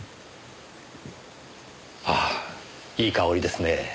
ああいい香りですね。